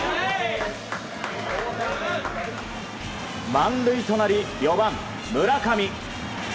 満塁となり４番、村上。